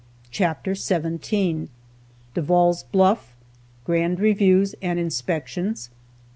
CHAPTER XVII. DEVALL'S BLUFF. GRAND REVIEWS AND INSPECTIONS.